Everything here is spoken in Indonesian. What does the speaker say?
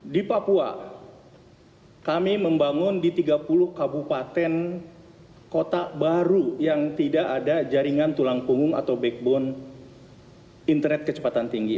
di papua kami membangun di tiga puluh kabupaten kota baru yang tidak ada jaringan tulang punggung atau backbone internet kecepatan tinggi